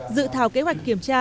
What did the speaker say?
dự thảo kế hoạch kiểm tra